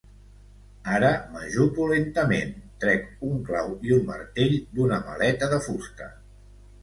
Ara m'ajupo lentament; trec un clau i un martell d'una maleta de fusta.